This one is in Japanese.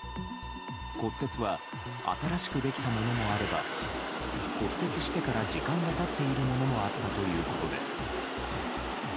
骨折は新しくできたものもあれば骨折してから時間が経っているものもあったということです。